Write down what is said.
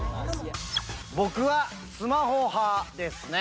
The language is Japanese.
僕はスマホ派ですね。